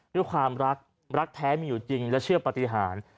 ด้วยความรักรักแท้มีอยู่จริงและเชื่อปฏิหาร